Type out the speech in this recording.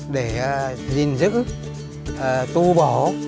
để gìn giữ tu bổ